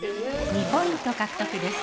２ポイント獲得です。